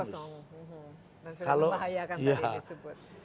dan sudah lebih bahaya kan tadi disebut